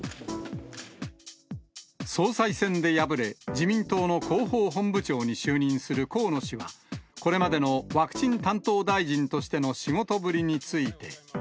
総裁選で敗れ、自民党の広報本部長に就任する河野氏は、これまでのワクチン担当大臣としての仕事ぶりについて。